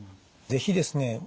是非ですね